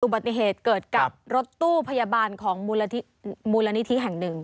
ปฏิเหตุเกิดกับรถตู้พยาบาลของมูลนิธิแห่งหนึ่ง